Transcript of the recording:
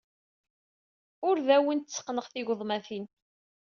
Ur awen-tteqqneɣ tigeḍmatin.